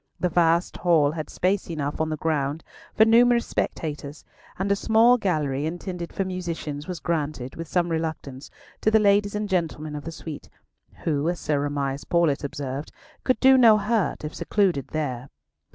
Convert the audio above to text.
The vast hall had space enough on the ground for numerous spectators, and a small gallery intended for musicians was granted, with some reluctance, to the ladies and gentlemen of the suite, who, as Sir Amias Paulett observed, could do no hurt, if secluded there.